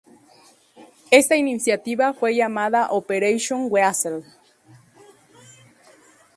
Esta iniciativa fue llamada "Operation Weasel".